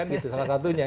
itu salah satunya